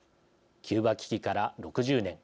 キューバ危機から６０年。